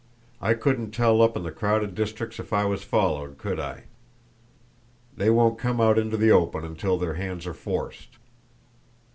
I couldn't tell up in the crowded districts if I was followed, could I? They won't come out into the open until their hands are forced."